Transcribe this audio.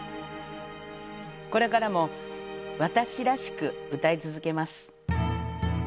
これからも私らしく歌い続けます。